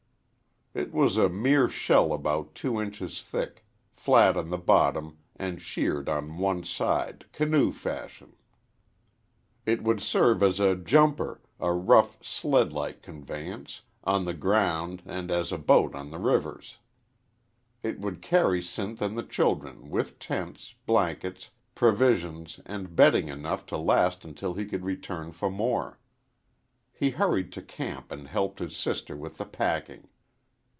It was a mere shell about two inches thick, flat on the bottom and sheared on one end, canoe fashion. It would serve as a jumper a rough, sledlike conveyance on the ground and as a boat on the rivers; it would carry Sinth and the children, with tents, blankets, provisions, and bedding enough to last until he could return for more. He hurried to camp and helped his sister with the packing.